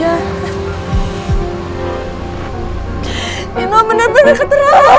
tante kenapa sih